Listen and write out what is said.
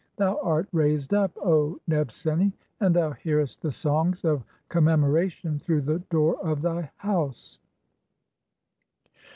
(3g) Thou art "raised up, [O Nebseni,] and thou hearest the songs of com "memoration through the door of thy house."